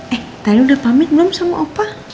eh tali udah pamit belum sama opa